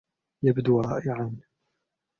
يبدو رائعا.